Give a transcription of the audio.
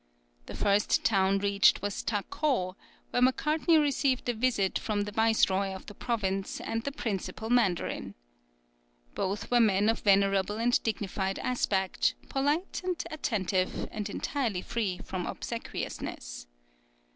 The first town reached was Takoo, where Macartney received a visit from the viceroy of the province and the principal mandarin. Both were men of venerable and dignified aspect, polite and attentive, and entirely free from obsequiousness.